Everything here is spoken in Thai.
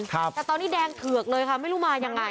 แต่ตอนนี้แดงเถือกเลยค่ะไม่รู้มายังไง